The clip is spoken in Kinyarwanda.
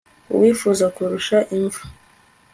uwifuza kurusha imva